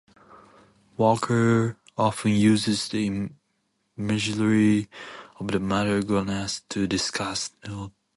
Walker often uses the imagery of the Mother Goddess to discuss neolithic matriarchies.